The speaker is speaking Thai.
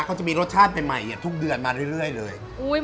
เขาจะมีรสชาติใหม่อย่างทุกเดือนมาเรื่อยเลย